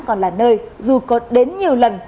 còn là nơi dù có đến nhiều lần